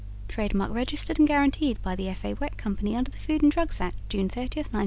Trade Mark registered and guaranteed by The F. A. Weck Company under the Food and Drugs Act, June 30, 1906.